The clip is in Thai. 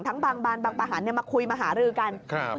ทั้งบางบานบางประหันมาคุยมาหารือกัน